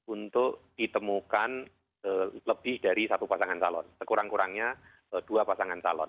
untuk ditemukan lebih dari satu pasangan calon sekurang kurangnya dua pasangan calon